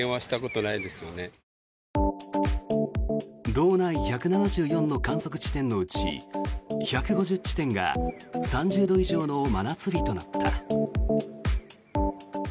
道内１７４の観測地点のうち１５０地点が３０度以上の真夏日となった。